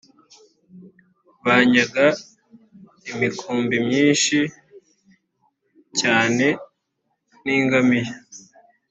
banyaga imikumbi myinshi cyane n’ingamiya